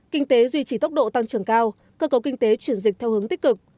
kinh tế duy trì tốc độ tăng trưởng cao cơ cấu kinh tế chuyển dịch theo hướng tích cực